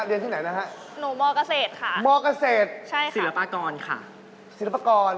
โทรติดไหมคะโทรไม่ติดไม่ค่อยมีขึ้น